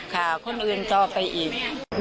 หากข้ามไปอีก